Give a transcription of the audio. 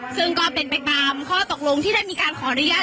ซึ่งก็เป็นไปตามข้อตกลงที่ได้มีการขออนุญาต